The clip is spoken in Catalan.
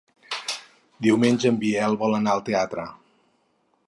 Diumenge en Biel vol anar al teatre.